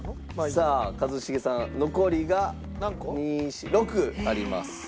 さあ一茂さん残りが２４６あります。